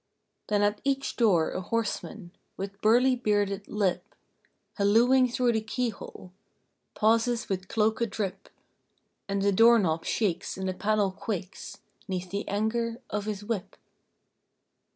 Then at each door a horseman, With burly bearded lip Hallooing through the keyhole, Pauses with cloak a drip; And the door knob shakes and the panel quakes 'Neath the anger of his whip.